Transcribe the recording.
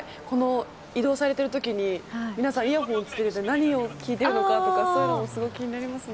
移動されているときに皆さんイヤホンを着けて何を聴いているのか、そういうのすごく気になりますよね。